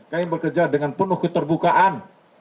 kami bekerja dengan penuh keterbukaan